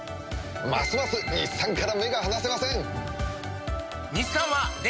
ますます日産から目が離せません！